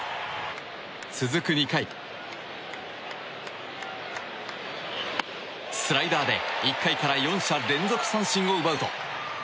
続く２回スライダーで１回から４者連続三振を奪うと。